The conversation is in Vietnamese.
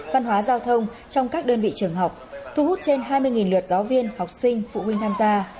văn hóa giao thông trong các đơn vị trường học thu hút trên hai mươi lượt giáo viên học sinh phụ huynh tham gia